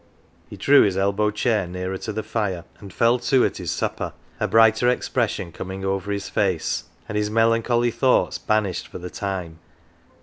He drew his elbow chair nearer to the fire, and fell to at his supper, a brighter expression coming over his face, and his melancholy thoughts banished for the 235 "OUR JOE" time.